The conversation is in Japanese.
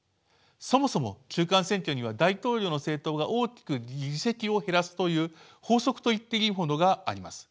そもそも中間選挙には大統領の政党が大きく議席を減らすという法則といっていいものがあります。